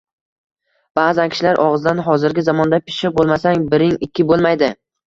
Ba`zan kishilar og`zidan Hozirgi zamonda pishiq bo`lmasang, biring ikki bo`lmaydi